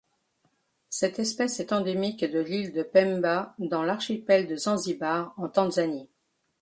Cette espèce est endémique de l'île de Pemba dans l'archipel de Zanzibar en Tanzanie.